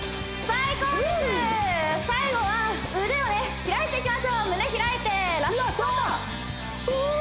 最後は腕を開いていきましょう胸開いてフー！